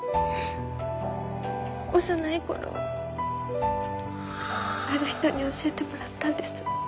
幼い頃ある人に教えてもらったんです。